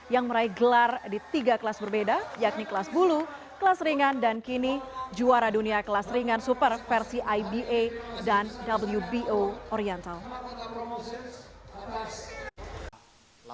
yang meraih gelar di tiga kelas berbeda yakni kelas bulu kelas ringan dan kini juara dunia kelas ringan super versi iba dan wbo oriental